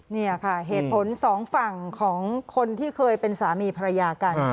นี่ค่ะเหตุผลสองฝั่งของคนที่เคยเป็นสามีภรรยากัน